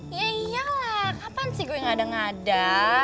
ya iyalah kapan sih gue gak ada ngada